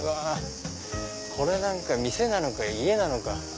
これなんか店なのか家なのか。